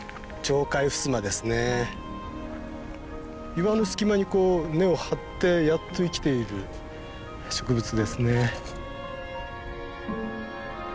岩の隙間にこう根を張ってやっと生きている植物ですね。